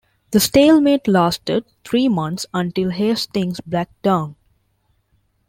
The stalemate lasted three months until Hastings backed down.